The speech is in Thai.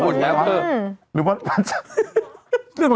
เป็นการกระตุ้นการไหลเวียนของเลือด